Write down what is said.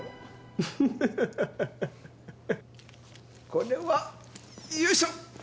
これはよいしょ！